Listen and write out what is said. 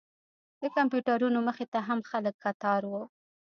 د کمپیوټرونو مخې ته هم خلک کتار و.